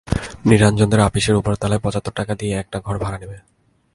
নিরঞ্জনদের আপিসে উপরের তলায় পঁচাত্তর টাকা দিয়ে একটা ঘর ভাড়া নেব।